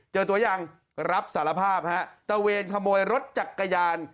เจอตัวยังรับสารภาพฮะตะเวนขโมยรถจักรยาน